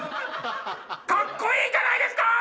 ⁉カッコイイじゃないですか！